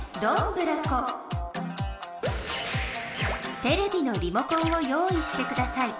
テレビのリモコンを用いしてください。